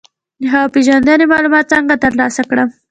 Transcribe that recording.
د هوا پیژندنې معلومات څنګه ترلاسه کړم؟